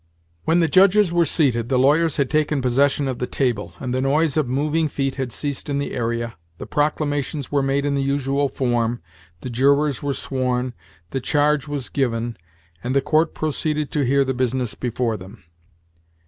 When the judges were seated, the lawyers had taken possession of the table, and the noise of moving feet had ceased in the area, the proclamations were made in the usual form, the jurors were sworn, the charge was given, and the court proceeded to hear the business before them.